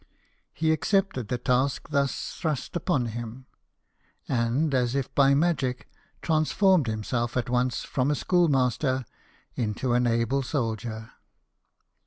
He ac cepted the task thus thrust upon him, and as if by magic transformed himself at once from a schoolmaster into an able soldier.